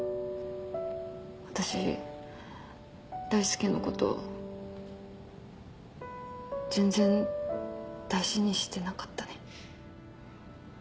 私大輔のこと全然大事にしてなかったね。